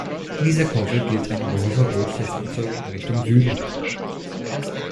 In dieser Kurve gilt ein Überholverbot für Fahrzeuge in Richtung Süden.